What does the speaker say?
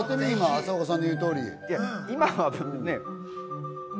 朝岡さんの言う通り。